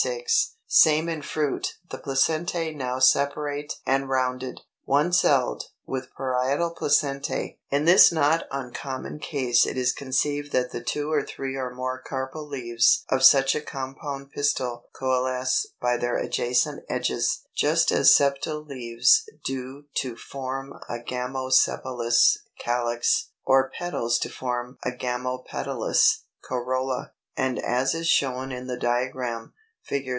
336. Same in fruit, the placentæ now separate and rounded.] 312. =One celled, with Parietal Placentæ.= In this not uncommon case it is conceived that the two or three or more carpel leaves of such a compound pistil coalesce by their adjacent edges, just as sepal leaves do to form a gamosepalous calyx, or petals to form a gamopetalous corolla, and as is shown in the diagram, Fig.